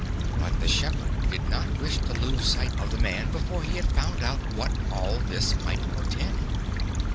"But the shepherd did not wish to lose sight of the man before he had found out what all this might portend.